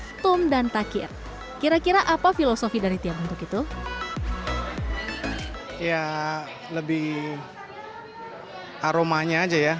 stum dan takir kira kira apa filosofi dari tiap bentuk itu ya lebih aromanya aja ya